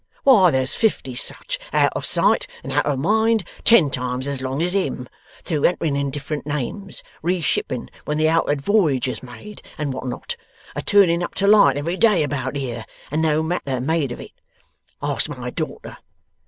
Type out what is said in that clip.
Why there's fifty such, out of sight and out of mind, ten times as long as him through entering in different names, re shipping when the out'ard voyage is made, and what not a turning up to light every day about here, and no matter made of it. Ask my daughter.